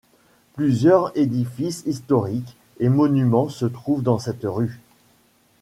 Plusieurs édifices historiques et monuments se trouvent dans cette rue.